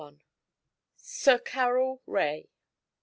SIR CARROLL RAE.